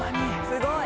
すごい。